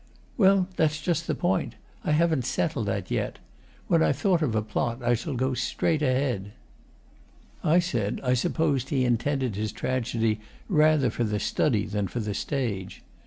'Well, that's just the point. I haven't settled that yet. When I've thought of a plot, I shall go straight ahead.' I said I supposed he intended his tragedy rather for the study than for the stage.